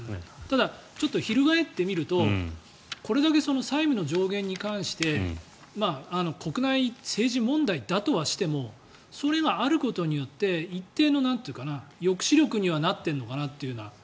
ただ、翻って見るとこれだけ債務の上限に関して国内政治問題だとはしてもそれがあることによって一定の抑止力にはなっているのかなというのは。